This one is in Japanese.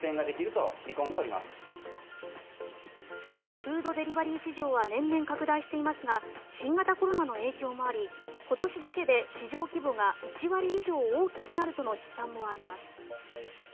フードデリバリー市場は年々、拡大していますが新型コロナの影響もあり今年だけで市場規模が１割以上大きくなるとの試算もあります。